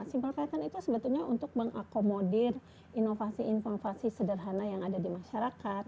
simple packen itu sebetulnya untuk mengakomodir inovasi inovasi sederhana yang ada di masyarakat